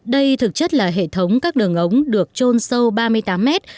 đây thực chất là hệ thống các đường ống được trôn sâu ba mươi tám mét